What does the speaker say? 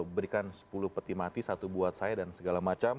berikan sepuluh peti mati satu buat saya dan segala macam